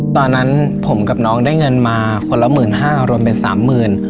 ตอนนั้นผมกับน้องได้เงินมาคนละ๑๕๐๐รวมเป็นสามหมื่น